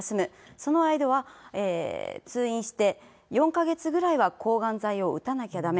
その間は通院して、４か月ぐらいは抗がん剤を打たなきゃだめ。